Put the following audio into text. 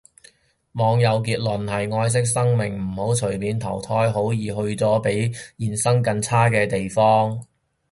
網友結論係，愛惜生命唔好隨便投胎，好易去咗啲比現生更差嘅地方